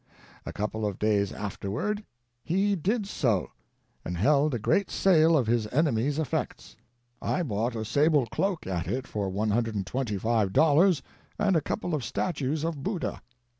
A couple of days afterward lie did so, and held a great sale of his enemy's ef fects. I bought a sable cloak at it for $125, and a couple of statues of Buddha.